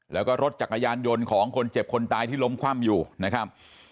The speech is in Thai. แล้วก็รถจักรยานยนต์ของคนเจ็บคนตายที่ล้มคว่ำอยู่นะครับ